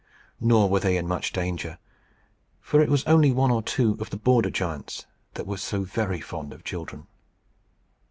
Nor were they in much danger; for it was only one or two of the border giants that were so very fond of children.